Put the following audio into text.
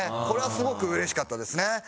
これはすごく嬉しかったですね。